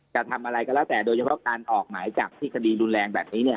จะทำอะไรก็แล้วแต่โดยเฉพาะการออกหมายจับที่คดีรุนแรงแบบนี้เนี่ย